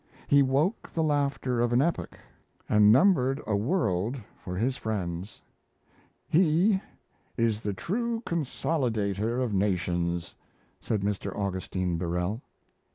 He woke the laughter of an epoch and numbered a world for his friends. "He is the true consolidator of nations," said Mr. Augustine Birrell.